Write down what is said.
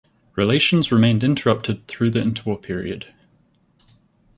Relations remained interrupted through the interwar period.